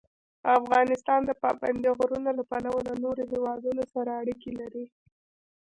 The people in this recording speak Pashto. افغانستان د پابندی غرونه له پلوه له نورو هېوادونو سره اړیکې لري.